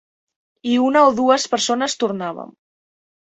I una o dues persones tornaven.